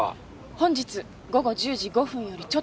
本日午後１０時５分よりちょっと前かと。